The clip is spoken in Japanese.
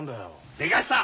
でかした！